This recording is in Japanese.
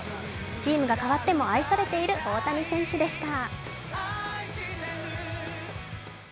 チームが変わっても愛されている大谷選手でした。